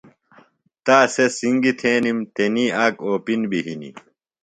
تا سےۡ څِنگیۡ تھینِم۔ تنی آک اوپِن بیۡ ہِنیۡ۔